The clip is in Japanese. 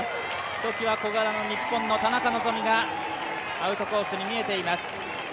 ひときわ、小柄な日本の田中希実がアウトコースに見えています。